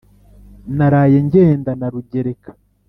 Naraye ngenda na Rugereka ;